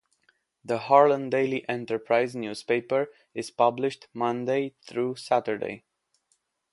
"The Harlan Daily Enterprise" newspaper is published Monday through Saturday.